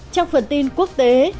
trong phần tin quốc tế